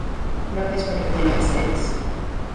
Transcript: He now plays cricket for United States.